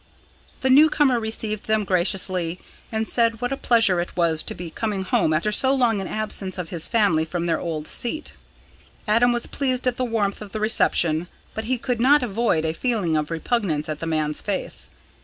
The new comer received them graciously, and said what a pleasure it was to be coming home after so long an absence of his family from their old seat. Adam was pleased at the warmth of the reception; but he could not avoid a feeling of repugnance at the man's face.